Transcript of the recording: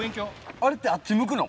あれってあっち向くの？